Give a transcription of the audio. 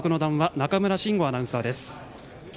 中村慎吾アナウンサーです。